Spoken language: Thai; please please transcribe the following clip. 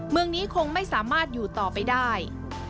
เมืองนี้คงไม่สามารถอยู่ต่อไปได้